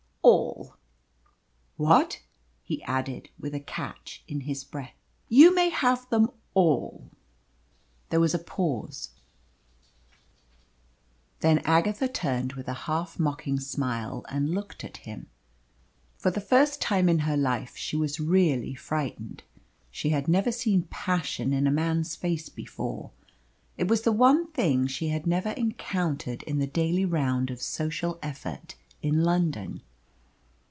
"All." "What?" he added, with a catch in his breath. "You may have them all." There was a pause; then Agatha turned with a half mocking smile, and looked at him. For the first time in her life she was really frightened. She had never seen passion in a man's face before. It was the one thing she had never encountered in the daily round of social effort in London.